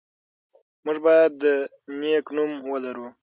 موږ باید نېک نوم ولرو.